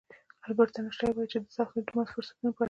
البرټ انشټاين وايي چې د سختیو ترمنځ فرصتونه پراته دي.